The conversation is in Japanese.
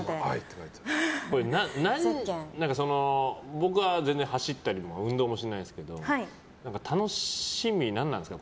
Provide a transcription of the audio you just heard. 僕は全然走ったり運動もしないんですけど楽しみ何なんですか？